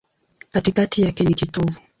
Katikati yake ni kitovu.